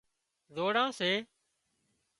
زوڙان سي